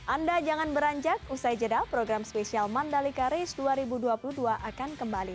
anda jangan beranjak usai jeda program spesial mandalika race dua ribu dua puluh dua akan kembali